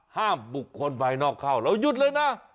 ห้ามบุคคลภายนอกเข้าเราหยุดเลยนะ